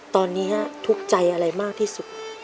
ตอนนี้ทุกข์ใจอะไรมากที่สุด